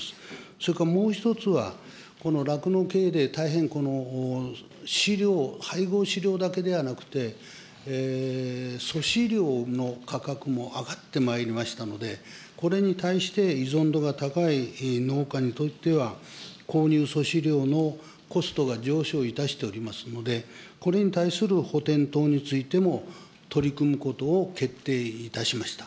それからもう一つは、この酪農経営で大変、飼料、配合飼料だけではなくて、粗飼料の価格も上がってまいりましたので、これに対して依存度が高い農家にとっては、購入粗飼料のコストが上昇いたしておりますので、これに対する補填等についても、取り組むことを決定いたしました。